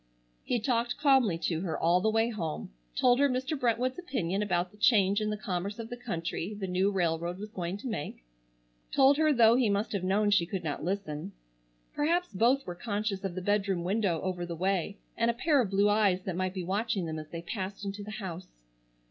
He talked calmly to her all the way home; told her Mr. Brentwood's opinion about the change in the commerce of the country the new railroad was going to make; told her though he must have known she could not listen. Perhaps both were conscious of the bedroom window over the way and a pair of blue eyes that might be watching them as they passed into the house.